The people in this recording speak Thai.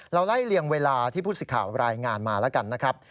ไล่เลี่ยงเวลาที่ผู้สิทธิ์ข่าวรายงานมาแล้วกันนะครับ